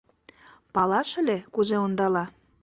— Палаш ыле, кузе ондала?